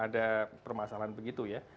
ada permasalahan begitu ya